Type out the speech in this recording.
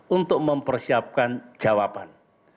untuk mempersiapkan jawaban